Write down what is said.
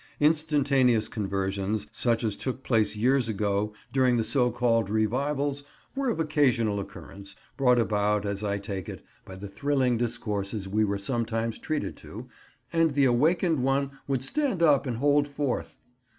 Instantaneous conversions, such as took place years ago during the so called Revivals, were of occasional occurrence, brought about, as I take it, by the thrilling discourses we were sometimes treated to, and the "awakened one" would stand up and hold forth.